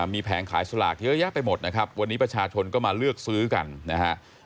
มีแผงขายสลากเยอะแยะไปหมดนะครับวันนี้ประชาชนก็มาเลือกซื้อกันนะฮะ